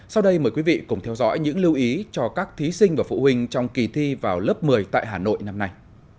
sau đây mời quý vị cùng theo dõi những lưu ý cho các thí sinh và phụ huynh trong kỳ thi vào lớp một mươi tại hà nội năm nay